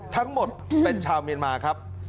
ทั้งหมดเป็นชาวเมียนมาครับ